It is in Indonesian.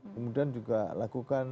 kemudian juga lakukan